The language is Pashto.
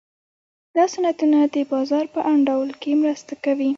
دا صنعتونه د بازار په انډول کې مرسته کوي.